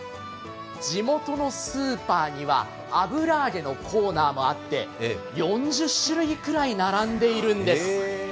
地元のスーパーには油揚げのコーナーもあって、４０種類くらい並んでいるんです。